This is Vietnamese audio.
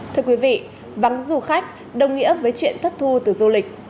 thưa quý vị vắng du khách đồng nghĩa với chuyện thất thu từ du lịch